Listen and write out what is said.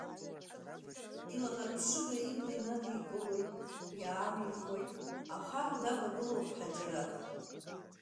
Иланарԥшыга ибла инадикылоит, иаамихуеит, ахаҳә давагылоуп Ҳаџьараҭ.